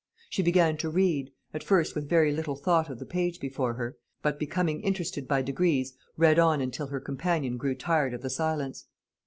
She began to read, at first with very little thought of the page before her, but, becoming interested by degrees, read on until her companion grew tired of the silence.